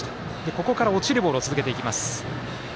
ここから落ちるボール続けていきます。